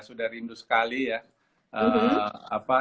sudah rindu sekali ya